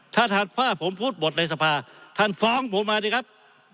ถ้าถัดผ้าผมพูดบทในสภาท่านฟ้องผมมาดิครับ